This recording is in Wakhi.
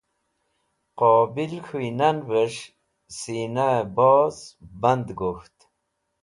Qobil k̃hũynavẽs̃h sẽnayboz band gok̃ht.